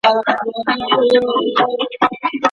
آیا د پستې راټولول په ځانګړي فصل کي کېږي؟.